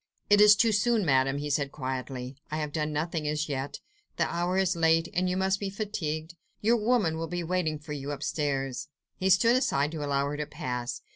"It is too soon, Madame!" he said quietly; "I have done nothing as yet. The hour is late, and you must be fatigued. Your women will be waiting for you upstairs." He stood aside to allow her to pass.